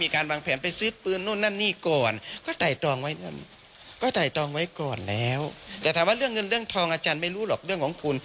ก็ถ่ายตรองไว้ก่อนแล้วแต่ถ้าว่าเรื่องเงินเรื่องทองอาจารย์ไม่รู้หรอกเรื่องของคุณ